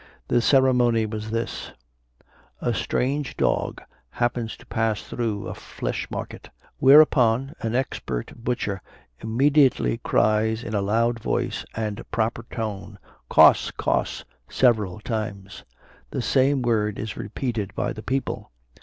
The ceremony was this: A strange dog happens to pass through a flesh market; whereupon an expert butcher immediately cries in a loud voice and proper tone, coss, coss, several times. The same word is repeated by the people.